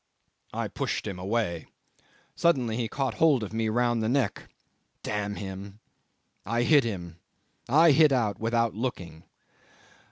I pushed him away. Suddenly he caught hold of me round the neck. Damn him! I hit him. I hit out without looking.